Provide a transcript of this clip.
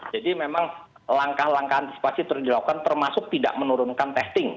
jadi memang langkah langkah antisipasi terdiri lakukan termasuk tidak menurunkan testing